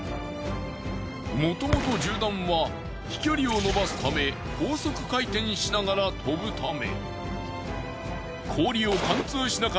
もともと銃弾は飛距離を伸ばすため高速回転しながら飛ぶため。